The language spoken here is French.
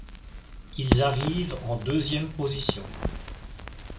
Ils arrivent en deuxième position.